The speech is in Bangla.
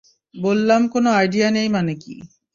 বললাম, কোন আইডিয়া নেই মানে কী।